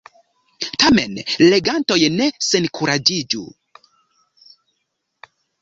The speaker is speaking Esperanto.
Tamen, legantoj, ne senkuraĝiĝu.